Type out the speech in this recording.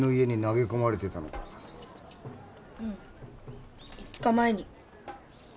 うん５日前に。